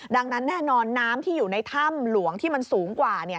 ดังนั้นแน่นอนน้ำที่อยู่ในถ้ำหลวงที่มันสูงกว่า